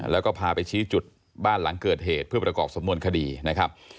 แล้วก็พาไปชี้จุดบ้านหลังเกิดเหตุเพื่อประกอบสำนวนคดีนะครับ